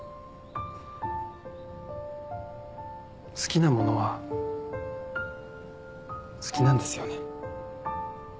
好きなものは好きなんですよね